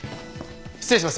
失礼します。